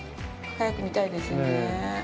早く見たいですよね。